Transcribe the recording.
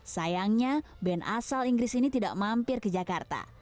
sayangnya band asal inggris ini tidak mampir ke jakarta